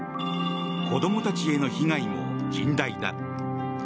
子供たちへの被害も甚大だ。